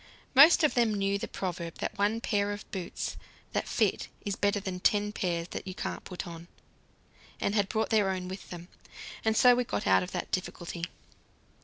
Most of them knew the proverb that one pair of boots that fit is better than ten pairs that you can't put on, and had brought their own with them. And so we got out of that difficulty.